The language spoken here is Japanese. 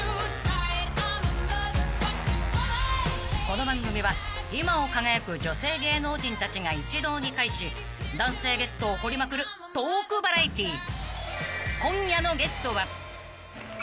［この番組は今を輝く女性芸能人たちが一堂に会し男性ゲストを掘りまくるトークバラエティー］